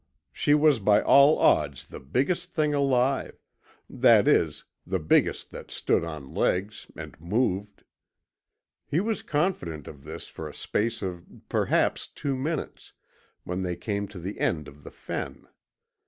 She was by all odds the biggest thing alive that is, the biggest that stood on legs, and moved. He was confident of this for a space of perhaps two minutes, when they came to the end of the fen.